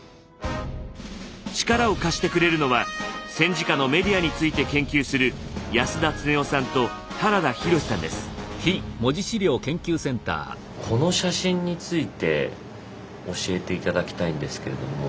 力を貸してくれるのは戦時下のメディアについて研究するこの写真について教えて頂きたいんですけれども。